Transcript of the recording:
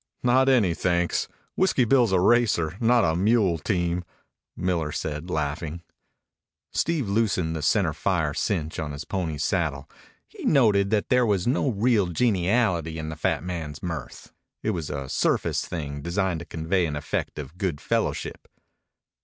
"Not any, thanks. Whiskey Bill is a racer, not a mule team," Miller said, laughing. Steve loosened the center fire cinch of his pony's saddle. He noted that there was no real geniality in the fat man's mirth. It was a surface thing designed to convey an effect of good fellowship.